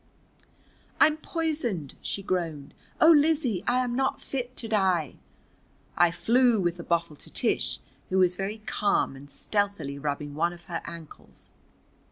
"I'm poisoned!" she groaned. "Oh, Lizzie, I am not fit to die!" I flew with the bottle to Tish, who was very calm and stealthily rubbing one of her ankles.